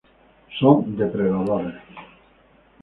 Son depredadores.